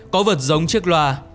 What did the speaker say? có vật giống chiếc loa